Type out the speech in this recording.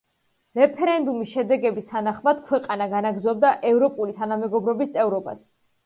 რეფერენდუმის შედეგების თანახმად ქვეყანა განაგრძობდა ევროპული თანამეგობრობის წევრობას.